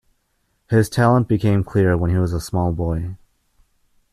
His talent became clear when he was a small boy.